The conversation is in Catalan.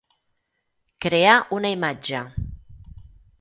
Crear una imatge.